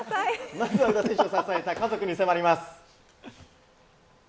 まずは宇田選手を支えた家族に迫ります。